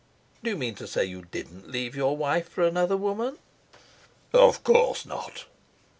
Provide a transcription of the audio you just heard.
"Do you mean to say you didn't leave your wife for another woman?" "Of course not."